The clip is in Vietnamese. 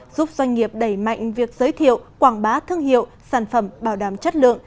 giúp doanh nghiệp đẩy mạnh việc giới thiệu quảng bá thương hiệu sản phẩm bảo đảm chất lượng